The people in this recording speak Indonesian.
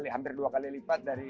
hampir dua kali lipat dari